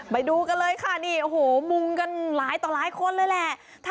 ไปดูกันเลยค่ะนี่โอ้โหมุงกันหลายต่อหลายคนเลยแหละ